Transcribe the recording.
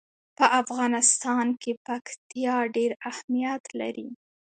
په افغانستان کې پکتیا ډېر اهمیت لري.